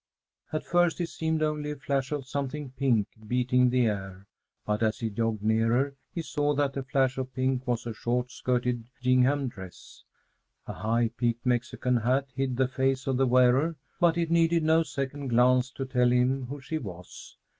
At first it seemed only a flash of something pink beating the air; but, as he jogged nearer, he saw that the flash of pink was a short skirted gingham dress. A high peaked Mexican hat hid the face of the wearer, but it needed no second glance to tell him who she was.